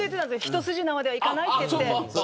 一筋縄ではいかないって。